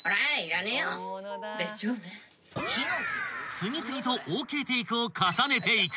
［次々とＯＫテイクを重ねていく］